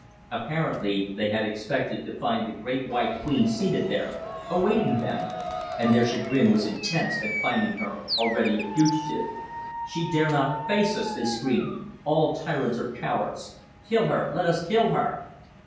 Apparently they had expected to find the Great White Queen seated there, awaiting them, and their chagrin was intense at finding her already a fugitive. "She dare not face us!" they screamed. "All tyrants are cowards. Kill her! Let us kill her!"